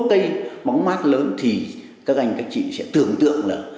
cây bóng mát lớn thì các anh các chị sẽ tưởng tượng là